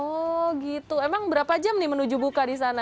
oh gitu emang berapa jam nih menuju buka di sana